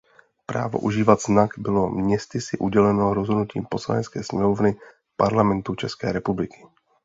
Právo užívat znak bylo městysi uděleno rozhodnutím Poslanecké sněmovny Parlamentu České republiky.